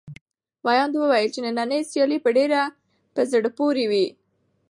ویاند وویل چې نننۍ سیالي به ډېره په زړه پورې وي.